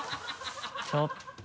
ちょっと。